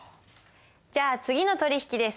じゃあ次の取引です。